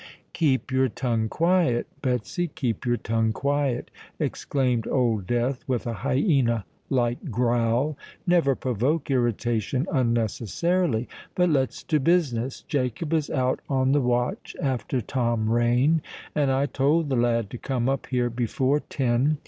"Keep your tongue quiet, Betsy—keep your tongue quiet," exclaimed Old Death, with a hyena like growl. "Never provoke irritation unnecessarily. But let's to business. Jacob is out on the watch after Tom Rain; and I told the lad to come up here before ten.